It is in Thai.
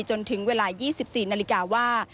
จนถึงเวลา๒๔นาฬิกาว่า